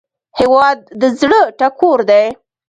هیواد د زړه ټکور دی